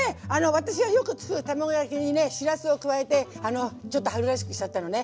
私がよくつくる卵焼きにねしらすを加えてちょっと春らしくしちゃったのね！